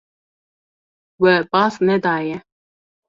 We baz nedaye.